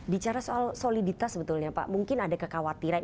bicara soal soliditas sebetulnya pak mungkin ada kekhawatiran